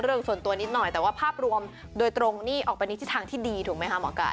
เรื่องส่วนตัวนิดหน่อยแต่ว่าภาพรวมโดยตรงนี่ออกไปในทิศทางที่ดีถูกไหมคะหมอไก่